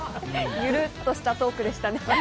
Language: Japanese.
ゆるっとしたトークでしたね。